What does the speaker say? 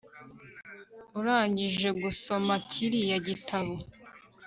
Urangije gusoma kiriya gitabo